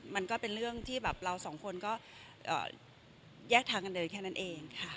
มันก็เป็นเรื่องที่แบบเราสองคนก็แยกทางกันเดินแค่นั้นเองค่ะ